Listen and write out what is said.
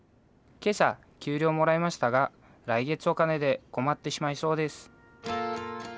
「今朝給料もらいましたが来月お金で困ってしまいそうです」。